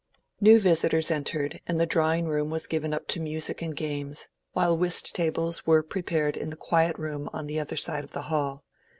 New visitors entered, and the drawing room was given up to music and games, while whist tables were prepared in the quiet room on the other side of the hall.